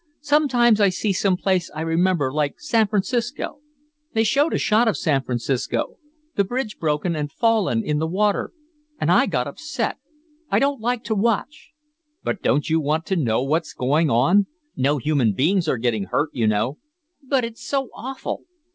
Sometimes I see some place I remember, like San Francisco. They showed a shot of San Francisco, the bridge broken and fallen in the water, and I got upset. I don't like to watch." "But don't you want to know what's going on? No human beings are getting hurt, you know." "But it's so awful!"